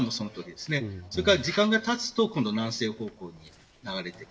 それから時間がたつと南西方向に流れていく。